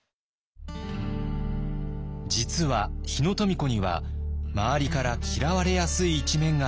実は日野富子には周りから嫌われやすい一面がありました。